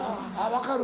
分かる？